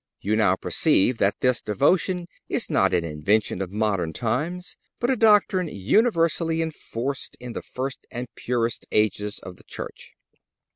You now perceive that this devotion is not an invention of modern times, but a doctrine universally enforced in the first and purest ages of the Church.